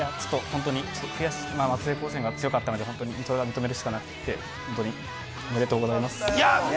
本当に悔しい松江高専が強かったので本当に認めるしかなくて、本当におめでとうございます。